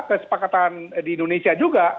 kesepakatan di indonesia juga